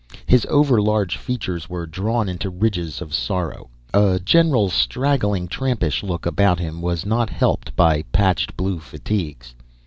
His overlarge features were drawn into ridges of sorrow. A general straggling, trampish look about him was not helped by patched blue fatigues.